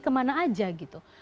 kemana aja gitu